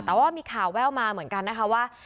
แต่ว่ามีข่าวแววมาเหมือนกันนะคะว่า